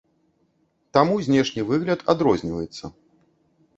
Таму знешні выгляд адрозніваецца.